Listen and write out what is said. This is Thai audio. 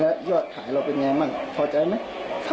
แล้วยอดขายเราเป็นไงบ้างพอใจไหม